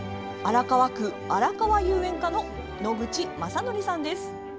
荒川区荒川遊園課の野口正紀さんです。